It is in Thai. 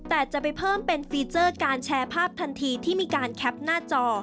แต่จะไปเพิ่มเป็นฟีเจอร์การแชร์ภาพทันทีที่มีการแคปหน้าจอ